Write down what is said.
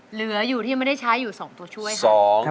เหลืออยู่ที่ยังไม่ได้ใช้อยู่๒ตัวช่วยค่ะ